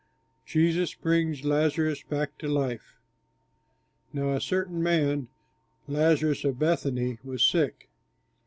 JESUS BRINGS LAZARUS BACK TO LIFE Now a certain man, Lazarus of Bethany, was sick.